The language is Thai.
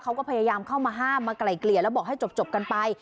เขาก็พยายามเข้ามาห้ามมาไกล่เกลี่ยแล้วบอกให้จบกันไป